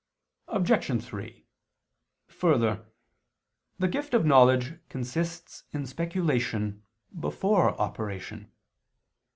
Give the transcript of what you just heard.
Obj. 3: Further, the gift of knowledge consists in speculation, before operation.